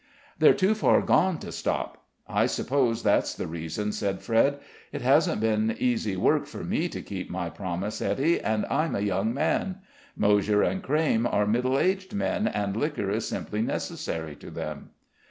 "They're too far gone to stop; I suppose that's the reason," said Fred. "It hasn't been easy work for me to keep my promise, Ettie, and I'm a young man; Moshier and Crayme are middle aged men, and liquor is simply necessary to them."